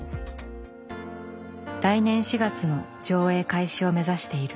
来年４月の上映開始を目指している。